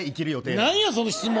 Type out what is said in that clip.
なんや、その質問？